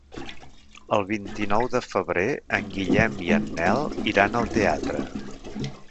El vint-i-nou de febrer en Guillem i en Nel iran al teatre.